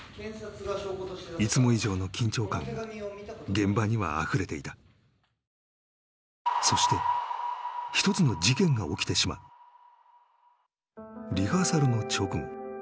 いつも以上の緊張感が現場にはあふれていたそして一つの事件が起きてしまうリハーサルの直後